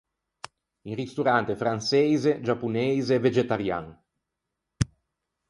Un ristorante franseise, giapponeise e vegetarian.